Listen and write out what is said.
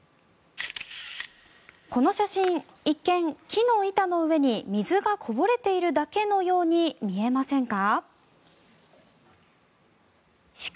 この写真、一見木の板の上に水がこぼれているだけのように見えませんか？